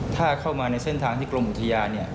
ถ้าเข้ามาในเส้นทางที่กรมอุทยาน